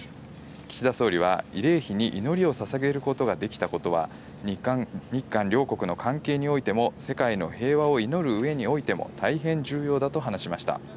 岸田総理は、慰霊碑に祈りをささげることができたことは日韓両国の関係においても世界の平和を祈る上においても大変重要だと話しました。